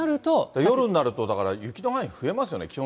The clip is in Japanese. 夜になると、だから、雪の範囲、増えますよね。